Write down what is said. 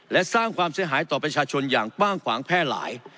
และสร้างความเสียหายต่อประชาชนอย่างกว้างขวางแพร่หลาย